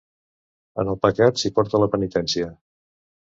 En el pecat s'hi porta la penitència.